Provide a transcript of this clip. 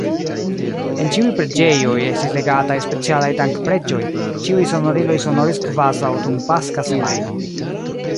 En ĉiuj preĝejoj estis legataj specialaj dankpreĝoj, ĉiuj sonoriloj sonoris kvazaŭ dum Paska semajno.